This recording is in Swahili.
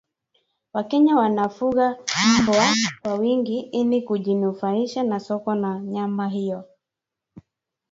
wakenya wanafuga mbwa kwa wingi ili kujinufaisha na soko la nyama hiyo